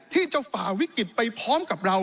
ฝ่าวิกฤตไปพร้อมกับเรา